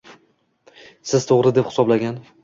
Siz to’g’ri deb hisoblagan